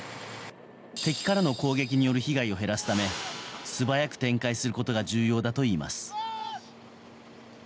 敵からの攻撃による被害を減らすため素早く展開することが重要だといいます。